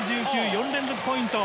４連続ポイント。